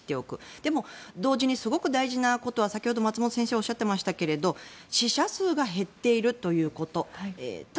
でも、同時にすごく大事なことは先ほど松本先生がおっしゃってましたけど死者数が減っているということです。